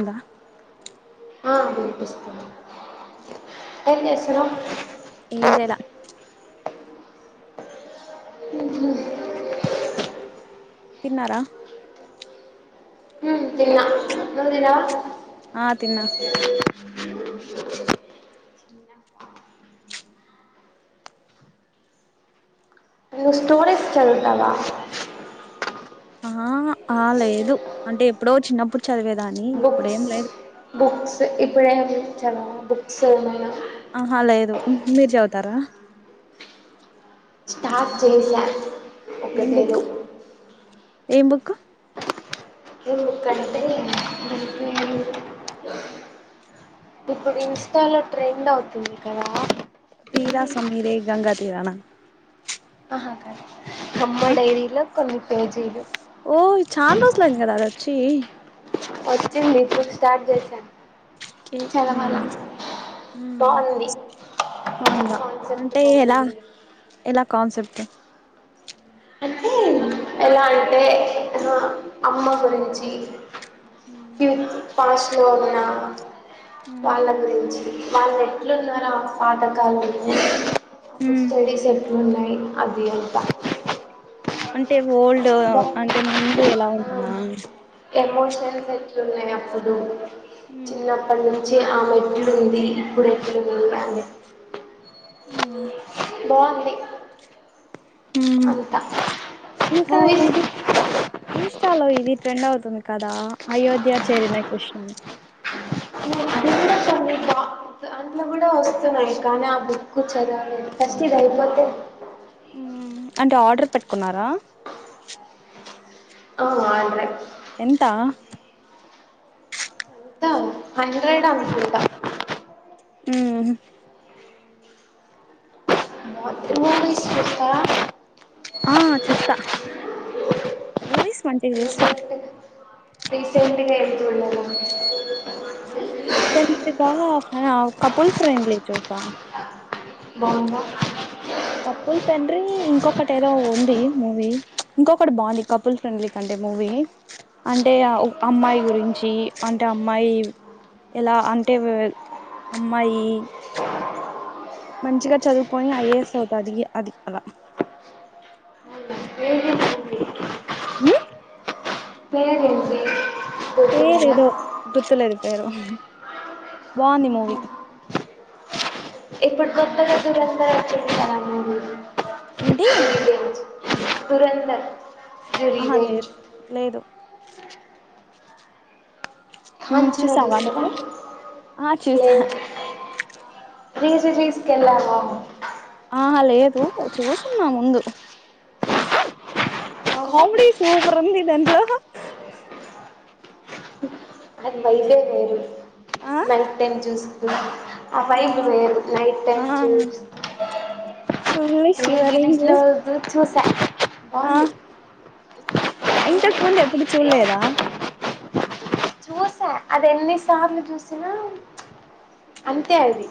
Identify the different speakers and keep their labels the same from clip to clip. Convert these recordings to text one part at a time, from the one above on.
Speaker 1: అందా
Speaker 2: వినిపిస్తాను ఎం చేసిన
Speaker 1: ఏం చేయాల
Speaker 2: ఇ
Speaker 1: తిన్నారా
Speaker 2: ఎందిరా
Speaker 1: ఆ తిన్నా
Speaker 2: నువ్వు స్టోరీస్ చదువుతావా
Speaker 1: ఆహా ఆ లేదు అంటే ఎప్పుడో చిన్నప్పుడు చదివేది
Speaker 2: బుక్స్ బుక్స్ ఇ ప్రేమ్ చేయించావా బుక్స్ ఏమయినా
Speaker 1: ఆహా లేదు మీరు చదువుతారా
Speaker 2: స్టార్ట్ చేసా
Speaker 1: ఏం
Speaker 2: ఒకటేదో
Speaker 1: బుక్ ఏం బుక్
Speaker 2: హ్మ్మ్ కట్టిగనే ఇప్పుడు ఇన్స్టాలో ట్రెండ్ అవుతుంది కదా
Speaker 1: తీరా
Speaker 2: ఏంది
Speaker 1: సమీరే గంగా తీరానా
Speaker 2: అదా అమ్మాయి డైరీలో కొన్ని పేజీలు
Speaker 1: ఓయ్ చాన రోజులు అయింది కదా అది వచ్చి
Speaker 2: వచ్చిందిప్పుడు స్టార్ట్ చేసా
Speaker 1: కే బాగుందా హ్మ్మ్
Speaker 2: బాగుంది
Speaker 1: బాగుందా
Speaker 2: కాన్సెప్ట్
Speaker 1: అంటే ఎలా
Speaker 2: బాగుంది
Speaker 1: ఎలా కాన్సెప్ట్ ప
Speaker 2: అంటే ఎలా అంటే అమ్మ గురించి
Speaker 1: ఉమ్
Speaker 2: గివ్ మనస్లో ఉన్నా
Speaker 1: ఉమ్
Speaker 2: వాళ్ళ గురించి వాళ్లు ఎట్లా ఉన్నార ఆ పాతకాలం నుండి ఉహు
Speaker 1: ఉమ్
Speaker 2: స్టడీస్ ఎ ఉన్నాయి అది ఎంత
Speaker 1: అంటే ఓల్డ్ అంటే ముందు ఎలా ఉన్నా
Speaker 2: ఎండలు ఎట్ల ఉన్నాయి అప్పుడు
Speaker 1: ఉమ్
Speaker 2: చిన్నపుడు ను నుంచి ఆమెట్లు ఉంది ఇప్పుడు ఎట్లా ఉన్నాయి
Speaker 1: ఆ
Speaker 2: బాగుంది
Speaker 1: హ
Speaker 2: అంతా
Speaker 1: ఇంకా
Speaker 2: మూవీస్
Speaker 1: ఇది ఇన్స్టా లో ఇది ఫ్రెండ్ అవుతుంది కదా అయోధ్య చేరిన కృష్ణన్
Speaker 2: అది కూడా కొన్ని బా దాంట్లో కూడా వస్తున్నాయి కానీ ఆ బుక్ చదవలేను ఫస్ట్ ఇది అయిపోతే
Speaker 1: హ్మ్మ్ అంటే ఆర్డర్ పెట్టుకున్నారా
Speaker 2: ఆ ఆర్డర్ యే
Speaker 1: ఎంత
Speaker 2: అంతా హండ్రెడ్ అనుకొంట
Speaker 1: ఉమ్
Speaker 2: మ త మూ వసుస్త [unintelligible]
Speaker 1: ఆ చూస్తా మూవిస్ వంటివి చూస్త
Speaker 2: రీసెంట్గ ఎలతుండే ఆడికి
Speaker 1: రీసెంట్ గా కపుల్ ఫ్రెండ్లీ చూసా
Speaker 2: బావుందా
Speaker 1: కపుల్ ఫ్రెండ్రీ ఇంకొకటి ఏదో ఉంది మూవీ ఇంకొకటి బాగుంది కపుల్ ఫ్రెండ్లీ కంటే మూవీ అంటే అమ్మాయి గురించి అంటే అమ్మాయి ఎలా అంటే అమ్మాయి మంచిగా చదువుకొని ఐఏస్ అవుతా అది అది అలా
Speaker 2: ఏది మూవీ
Speaker 1: ఊ
Speaker 2: పేరేంటి
Speaker 1: పేరు
Speaker 2: గుర్తున్నదా
Speaker 1: ఏదో గుర్తులేదు పేరు బాగుంది మూవీ
Speaker 2: ఇప్పుడు కొత్త కొత్తగేదో
Speaker 1: ఏంటి
Speaker 2: ది రివెంజ్ దురంధర్ ది
Speaker 1: ఆహ
Speaker 2: రివెంజ్
Speaker 1: లేదు లేదు
Speaker 2: కాంచన
Speaker 1: చూసావా
Speaker 2: చూసారా
Speaker 1: నువ్వు ఆ చేసా
Speaker 2: చి తీసుకెళ్ళాను
Speaker 1: ఆహా లేదు చూసున్నా ముందు
Speaker 2: అవును
Speaker 1: కామెడి సూపర్ ఉంది దంట్లో
Speaker 2: అది వైబే వేరు
Speaker 1: ఆ
Speaker 2: నైట్ టైం జ్యూస్ ఇ ఆ ఫైపు వేరు నైట్
Speaker 1: ఆ
Speaker 2: టైమ్ చూస్
Speaker 1: ఫుల్ షివరింగ్
Speaker 2: లో చూసా
Speaker 1: ఆ
Speaker 2: బాంది
Speaker 1: ఇంతకు ముందుఎప్పుడు చూడలేద
Speaker 2: చూసా అది ఎన్ని సార్లు చూసినా అంతే అది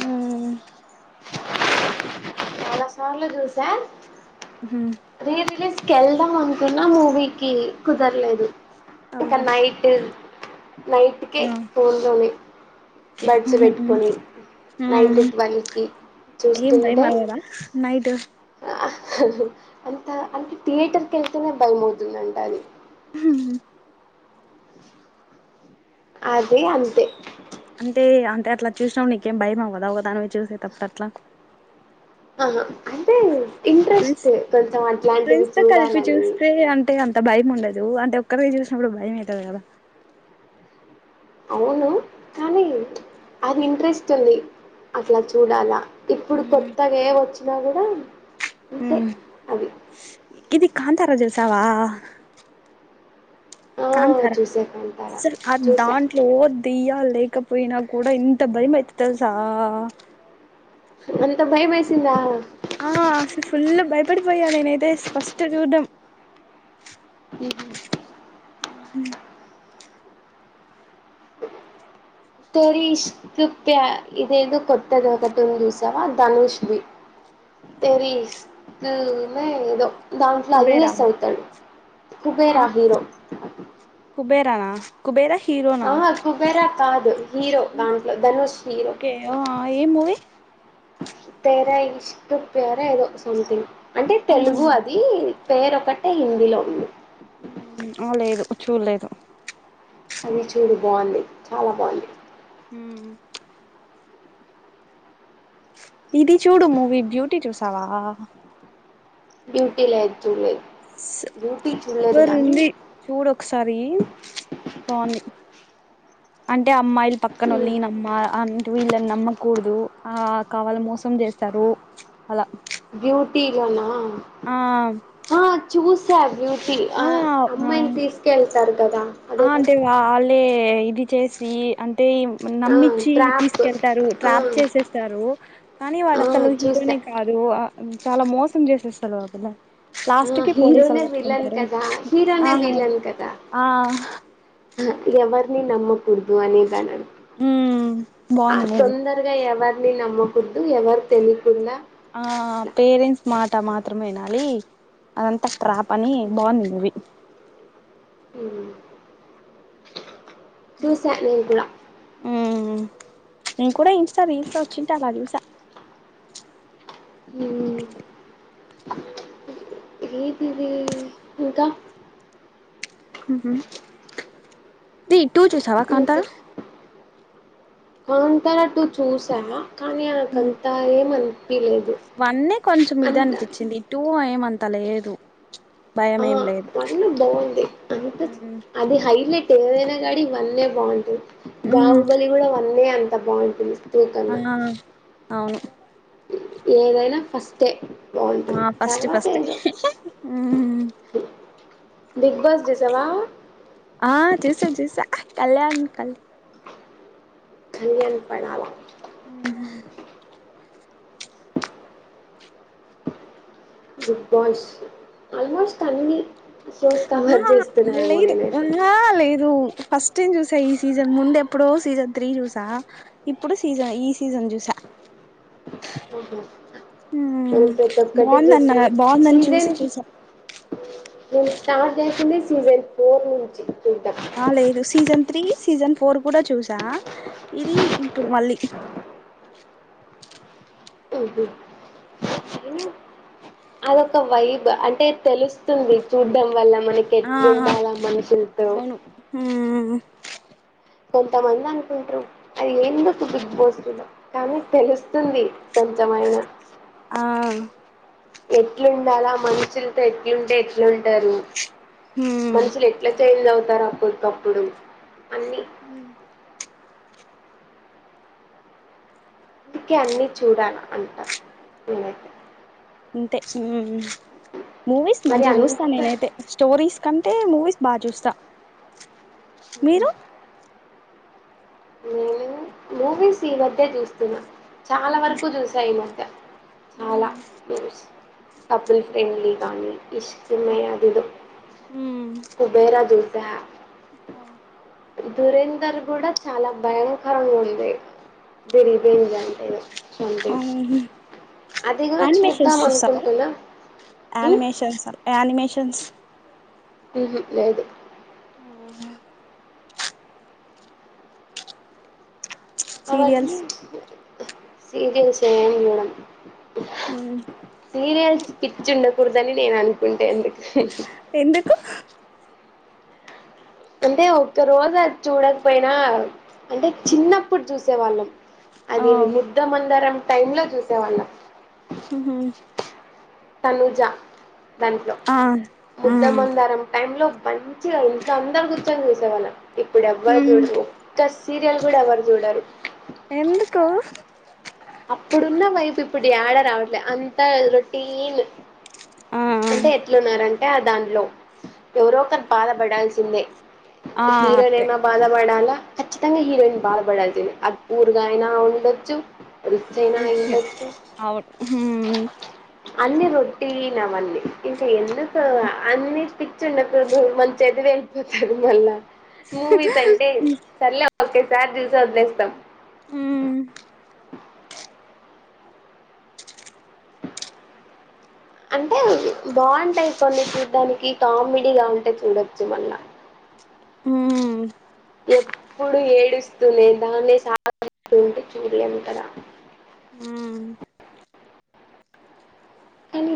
Speaker 1: ఉమ్
Speaker 2: చాలా సార్లు చూసా రి రిలీస్ కెళ్దాం అనుకున్నా మూవీకి కుదరలేదు ఇక
Speaker 1: ఓహో
Speaker 2: నైట్ నైట్కే
Speaker 1: ఓకే
Speaker 2: ఫోన్లోనే బడ్స్ పెట్టుకొని నైట్
Speaker 1: మ్మ్
Speaker 2: ట్వలికి చూస్తుంటే
Speaker 1: నైట్‌
Speaker 2: హఅంత అంటే థియేటర్కిళ్తేనే భయమవుతుందంట అది
Speaker 1: హుమ్
Speaker 2: స్ అదిఅంతే
Speaker 1: అంటే అంతఅట్లా చూసినప్పుడునీకేం భయం అవ్వద ఒక'దానిని చూసేటప్పుడు అట్లా
Speaker 2: ఆహా అంటే
Speaker 1: ప్రెన్స్.
Speaker 2: ఇంట్రెస్ట్ కొంచెం అట్లాంటివి
Speaker 1: ఫ్రెన్స్ తో కలిపి
Speaker 2: చూడాలని
Speaker 1: చూస్తే అంటే అంత భయం ఉండదు అంటే ఒక్కదె చూసి నప్పుడుభయంఅయిత దికదా కానీ
Speaker 2: అవును కానీ అది ఇంట్రెస్ట్ ఉంది అట్లా చూడాల ఇప్పుడు కొత్తగా ఏ వచ్చిం 'ది అయిన అంతే
Speaker 1: ఉమ్
Speaker 2: అది
Speaker 1: ఇది కాంతారా చూసావా హా
Speaker 2: ఆ
Speaker 1: కాంతారా
Speaker 2: చూసా కాంతారా
Speaker 1: అసలు ఆ
Speaker 2: చూసా
Speaker 1: దాంట్లో దయ్యలేకపోయినా కూడా ఇంత బయమియేతది తెలుసా హ
Speaker 2: అంత బయమేసిందా
Speaker 1: ఆఅస్ ఫుల్ భయపడిపోయానేనైతే ఫస్ట్ చూడ్డం
Speaker 2: హుమ్ తెరిష్కు క్యాఇదే ఏదో కొత్తద ఒక కటూంది చూసావా ధనుష్ ది తెరిష్కు మేఏదో దాంట్లో
Speaker 1: కుబేరా
Speaker 2: ఐస్ అవుతాడు
Speaker 1: ఆ
Speaker 2: కుబేరా హీరో స్ట్
Speaker 1: కుబేరానా కుబేరహి
Speaker 2: అహ హా కుబేరా కాదు హీరో దాంట్లో ధనుష్ హీరో
Speaker 1: ఓకే ఏ మూవీ
Speaker 2: స్ తెర ఇష్క్ ప్యారా ఏదో సామ్థింగ్. అంటే తెలుగు అదిఈ పేరు ఒకటే హిందీలో ఉంది పే
Speaker 1: హోమ్మ్ అ లేదు చూల్లెలేదు
Speaker 2: అది చూడు బాగుంది, చాలా బాగుంది
Speaker 1: మ్మ్ ఇది చూడు మూవీ బ్యూటీ చూసావాహా
Speaker 2: బ్యూటీ లేదు, చూడలేదు బ్యూటీ చూడలేదు కానీ
Speaker 1: సరీం త బహుంది అంటే అప్ అమ్మాయిల్ పక్కన ఉల్న్ అమ్మా అ వీళ్ళని నమ్మకూడదు ఆ కావాల మోసం చేస్తారు చ్చ అలా
Speaker 2: బ్యూటీ ఇగోన
Speaker 1: ఆ చ్చ
Speaker 2: సబ్య ఫ అమ్మాయిని తీసుకెళ్తారు కదా
Speaker 1: ఆ
Speaker 2: అదే కదా
Speaker 1: అంటే గా అలే ఎ ఇది చేసి అం థీమ్
Speaker 2: ఆ
Speaker 1: నమ్మించి
Speaker 2: ట్రాప్
Speaker 1: తీసుకెళ్తారు ట్రాప్
Speaker 2: ఆ
Speaker 1: చేసేస్తారు, కానీ వాడు
Speaker 2: ఆ
Speaker 1: అసలు
Speaker 2: చూసా
Speaker 1: హీరోనే కాదు చాలా మోసం చేసేస్తారు వాపిలా
Speaker 2: ఆ హీరోనే విలన్ కదా
Speaker 1: ఆ
Speaker 2: హీరోనే విలన్ కదా
Speaker 1: ఆ
Speaker 2: ఎవర్ని నమ్మ కుడదు అనేదా
Speaker 1: ఉమ్
Speaker 2: అ
Speaker 1: బాగుంది మూవీ
Speaker 2: తొందరగా ఎవ అని నమ్మకద్దు ఎవరు తెలియ
Speaker 1: ఆ పేరెంట్స్ మాట మాత్రం వినాలి అదంతా ట్రాప్ అని బాగుంది మూవీ
Speaker 2: హ చూసా నేను కూడా
Speaker 1: మ్మ్ నేను కూడా ఇన్స్టా రీల్స్ లో వచ్చింటే అలా చూసా
Speaker 2: ఉ ఏదిది ఇంకా
Speaker 1: ఉ ర టూ చూసావా కాంతార
Speaker 2: కాంతరా టు చూసావ కానీ కంతావేమన
Speaker 1: వన్నే కొంచెం ఇద అనిపించింది టూ ఏమ అంత లేదు భయం
Speaker 2: ఆ
Speaker 1: ఏం లేదు
Speaker 2: అన్న బాగుంది అంత అది హైలైట్ ఏదనా గాడి వన్నె బాగుంటది
Speaker 1: మ్మ్
Speaker 2: బాహుబలి కూడా వందే అ ఇ బాగుంటుంది టూ కన్నా
Speaker 1: అన్నాను అవును
Speaker 2: ఏదైనా ఫస్టే బాగుంటుంది
Speaker 1: ఆ ఫస్ట్
Speaker 2: తర్వాత
Speaker 1: ఫస్ట్
Speaker 2: ఏదో బిగ్ బాస్ చూసావా
Speaker 1: ఆ చూసా చసా కళ్యా అం కలి
Speaker 2: కళ్యాణ్పడాల
Speaker 1: ఆ
Speaker 2: బిగ్ బాస్ ఆల్మోస్ట్ అన్ని షోస్
Speaker 1: ఆ
Speaker 2: కవర్ చేస్తున్నాయేమో
Speaker 1: లేదు
Speaker 2: నేనైతే
Speaker 1: ఉన్నా లేదు ఫస్ట్ ఏం చూసా ఈ సీజన్ ముందు ఎప్పుడో సీజన్ త్రీ చూసా ఇప్పుడు సీజన్ ఈ సీజన్ చూసా
Speaker 2: మనం
Speaker 1: హ్మ్
Speaker 2: ప్రతి ఒక్కటి
Speaker 1: బాగుందన్న
Speaker 2: చేసినం
Speaker 1: బాగుందని
Speaker 2: సీజన్
Speaker 1: చూసి చూసా
Speaker 2: నేను స్టార్ట్ చేసింది సీజన్ ఫోర్ నుంచి చూద్దాం
Speaker 1: ఆ లేదు సీజన్ త్రీ సీజన్ ఫ ఫోర్ కూడా చూసా ఇది ఇప్పుడు మళ్ళీ
Speaker 2: ఓహో అదొక వైబ్ అంటే తెలుస్ తుంది చూడ్డం వల్ల మనకి
Speaker 1: ఆ
Speaker 2: ఎట్లుండాలా మనుషులతో
Speaker 1: అవును హ్మ్
Speaker 2: కొంతమంది అనుకుంటరు అది ఎందుకు బిగ్ బోస్టులో కానీ తెలుసు వస్తుంది కొంచమైన
Speaker 1: ఆ
Speaker 2: ఎట్లుండాల మనుషులతో ఎట్లుంటే ఎట్లుంటారు
Speaker 1: హ్మ్
Speaker 2: మనుషులు ఎట్లా చేంజ్ అవు తార ఎప్పుడుకప్పుడు
Speaker 1: హ
Speaker 2: అందుకే అన్ని చూడాల అంటా నేనైతే
Speaker 1: ఇంతే మూవీస్
Speaker 2: మరి
Speaker 1: మంచి చూస్తా
Speaker 2: అంత
Speaker 1: నేను అయితే స్టోరీస్ కంటే మూవీస్ బాగా చూస్తా
Speaker 2: ఉహా
Speaker 1: మీరు
Speaker 2: నేను మూవీస్ ఈ మధ్య చూస్తున్నా చాలా వరకు చూసాను చాలా
Speaker 1: హ్మ్
Speaker 2: న్యూస్ కపుల్ ఫ్రెండ్లీ కానీ ఇష్క్ మే అదేదో కుబేరదూర్ ద
Speaker 1: ఆ
Speaker 2: దురేందర్ కూడా చాలా భయంకరంగా ఉంది బరి బేంజ అంటే సంథింగ్ అది కూడా చూద్దాం
Speaker 1: అనిమేషన్స్ చూస్తావా
Speaker 2: అనుకుంటున్నా ఉమ్,
Speaker 1: అనిమేషన్ అనిమేషన్ టెన్స్
Speaker 2: ఉహో లేదు
Speaker 1: ఆహా
Speaker 2: అవన్నీ
Speaker 1: సీరియల్స్
Speaker 2: సీరియల్స్ ఏం జూడం
Speaker 1: అ
Speaker 2: సీరియల్స్ పిచ్చి ఉండకూడదని నేను అనుకుంటేందుకు
Speaker 1: ఎందుకు
Speaker 2: అంటే ఒక్క రోజాది చూడకపోయినా అంటే చిన్నప్పుడు చూసేవాళ్ళం
Speaker 1: ఆ
Speaker 2: అదేదే ముద్ద మందారం టైమ్ లో చూసేవాళ్ళం
Speaker 1: ఊహు
Speaker 2: తనుజ దాంట్లో
Speaker 1: ఆ మ్మ్
Speaker 2: ముద్దమందారం టైం లో మంచిగా ఇంట్లో అందరు గుర్చొని చూసేవాళ్ళం ఇప్పుడు ఎవరు
Speaker 1: మ్మ్
Speaker 2: జూడరు ఒక్క స్ సీరియల్ కూడా ఎవరు చూడరు
Speaker 1: ఎందుకో
Speaker 2: ప్పుడి ఆడ రావట్లే అంత రొటీన్
Speaker 1: ఆ
Speaker 2: అంటే ఎట్లున్నారంటే తే దానిలో ఎవరో ఒకరు బాధపడాల్సిందే
Speaker 1: ఆ
Speaker 2: హీరో
Speaker 1: అట్టే
Speaker 2: నేమో బాధ పడాలా ఖచ్చితంగా హీరోయిన్ బాధపడాల్సిందే ఆ ఊరుగా అయినా ఉండొచ్చు, అయినా అయి
Speaker 1: రిచ్
Speaker 2: ఉండొచ్చు
Speaker 1: అవును హ్మ్
Speaker 2: అన్ని రొటిన్ అవన్నీ ఇంకా ఎందుకు అన్ని పిచ్చి ఉండకూడదు మళ్ళి చదువు ఎల్లిపోతది మళ్ళా మూవీస్ అంటే సర్లే ఓకే సారి చూసి వదిలేస్తాం.
Speaker 1: మ్మ్
Speaker 2: అంటే బాగుంటాయి కొన్ని చూడ్డానికి కామెడీ గా ఉంటే చూడొచ్చు మళ్ళా
Speaker 1: హ్మ్
Speaker 2: ఎప్పుడు ఏడుస్తూనే దాన్నే సాగ తీస్తుంటే చూడలేం కదా
Speaker 1: ఊ
Speaker 2: కానీ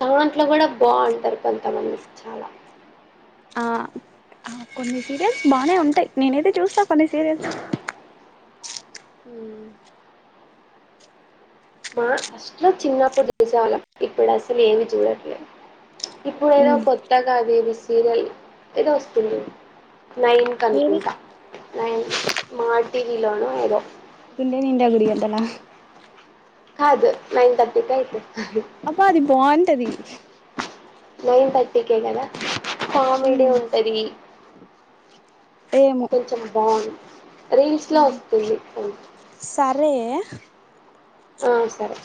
Speaker 2: దాంట్లో కూడా బావుంటరు కొంతమంది చాలా
Speaker 1: ఆ హ కొన్ని సీరియల్స్ బానే ఉంటయి నేనైతే చూస్తా కొన్ని సీరియల్స్
Speaker 2: ఊ మా ఫస్ట్లో చిన్నప్పుడు చూసేవాళ్ళం ఇప్పుడు అసలు ఏమి చూడట్లే ఇప్పుడేదో
Speaker 1: మ్మ్
Speaker 2: కొత్తగా అదేది సీరియల్ ఏదో వస్తుంది. నైన్ కి
Speaker 1: ఏది
Speaker 2: అనుకుంటా న మాటివి లోనొ ఏదో
Speaker 1: గుండే నిండా గుడిగంటల
Speaker 2: కాదు నైన్ థర్టీకి అయితే
Speaker 1: అబ్బా అది బాగుంటది.
Speaker 2: నైన్ థర్టీకెగదా కామెడీ
Speaker 1: మ్మ్
Speaker 2: ఉంటది,
Speaker 1: ఏమో
Speaker 2: కొంచం బా రీల్స్ లో
Speaker 1: మ్మ్
Speaker 2: వస్తుంది అది
Speaker 1: సరే
Speaker 2: ఆ సరే